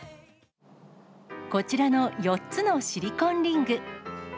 こちらの４つのシリコンリング。